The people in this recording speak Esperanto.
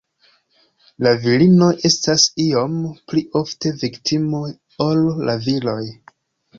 La virinoj estas iom pli ofte viktimoj ol la viroj.